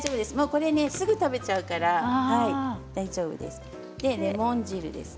これすぐ食べちゃうから大丈夫です。